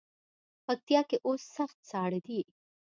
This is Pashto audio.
پکتیا کې اوس سخت ساړه دی.